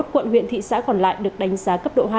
hai mươi một quận huyện thị xã còn lại được đánh giá cấp độ hai